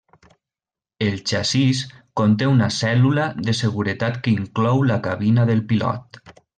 El xassís conté una cèl·lula de seguretat que inclou la cabina del pilot.